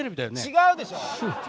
違うでしょ！